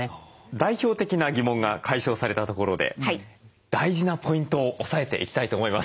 代表的な疑問が解消されたところで大事なポイントを押さえていきたいと思います。